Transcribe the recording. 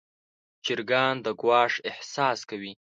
چرګان د ګواښ احساس کوي.